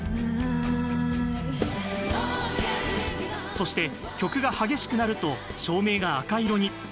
そして、曲が激しくなると照明が赤色に。